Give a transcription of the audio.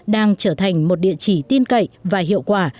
đang trở thành một địa chỉ tin cậy và hiệu quả